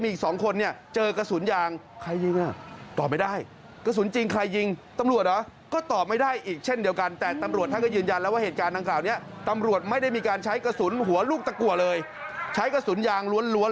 มวลชนกับคอฝอเหมือนมีการประทะกัน